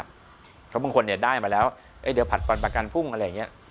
เพราะบางคนเนี่ยได้มาแล้วเดี๋ยวผลัดฟันประกันพุ่งอะไรอย่างนี้